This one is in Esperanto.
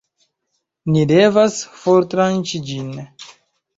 Ni devas fortranĉi ĝin